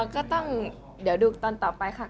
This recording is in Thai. ก็ต้องเดี๋ยวดูตอนต่อไปค่ะ